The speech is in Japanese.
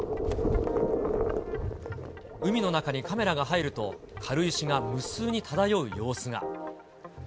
海の中にカメラが入ると、軽石が無数に漂う様子が。